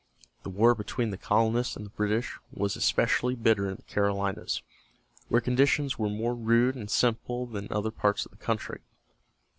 The war between the colonists and the British was especially bitter in the Carolinas, where conditions were more rude and simple than in other parts of the country.